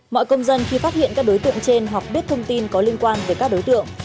mọi công dân khi phát hiện các đối tượng trên hoặc biết thông tin có liên quan về các đối tượng